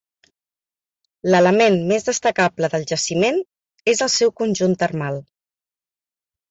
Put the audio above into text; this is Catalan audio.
L'element més destacable del jaciment és el seu conjunt termal.